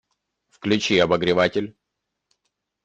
The kernels in principle allow for much more exotic methods.